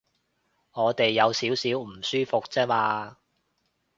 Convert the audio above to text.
我哋有少少唔舒服啫嘛